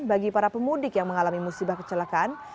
bagi para pemudik yang mengalami musibah kecelakaan